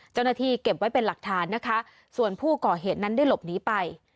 เจ้าหน้าที่เก็บไว้เป็นหลักฐานนะคะส่วนผู้ก่อเหตุนั้นได้หลบหนีไป